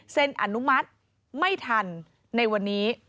อนุมัติไม่ทันในวันนี้